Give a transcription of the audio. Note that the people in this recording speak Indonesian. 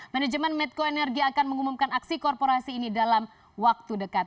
manajemen medco energy akan mengumumkan aksi korporasi ini dalam waktu dekat